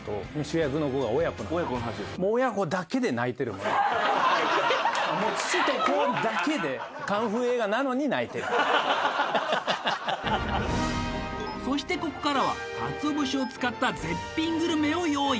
もう父と子だけでそしてここからはかつお節を使った絶品グルメを用意